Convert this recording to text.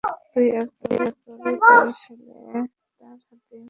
তুই আর তোর ছেলে আমার হাতেই মরবি।